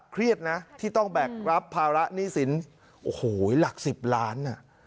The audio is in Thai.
เครียดนะที่ต้องแบกรับภาระนี้สินยังสิบล้าน